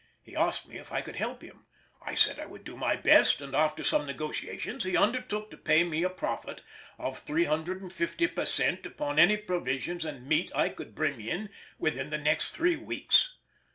He asked me if I could help him; I said I would do my best, and after some negotiations he undertook to pay me a profit of 350 per cent upon any provisions and meat I could bring in within the next three weeks!